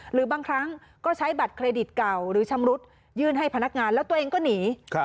หรือบางครั้งก็ใช้บัตรเครดิตเก่าหรือชำรุดยื่นให้พนักงานแล้วตัวเองก็หนี